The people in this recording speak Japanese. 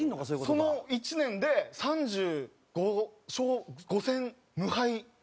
その１年で３５勝３５戦無敗。